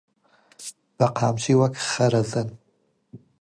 بەقەمچی وەک خەرەزەن